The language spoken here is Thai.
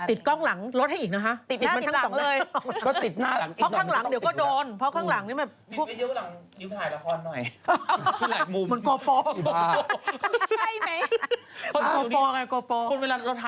ติดกล้องหลังรถให้อีกนะคะ